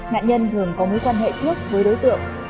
nạn nhân thường có mối quan hệ trước với đối tượng